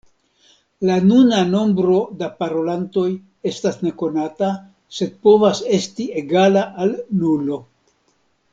La nuna nombro da parolantoj estas nekonata sed povas esti egala al nulo.